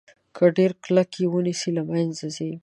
که ډیره کلکه یې ونیسئ له منځه ځي.